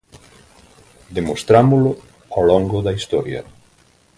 Demostrámolo ao longo da Historia.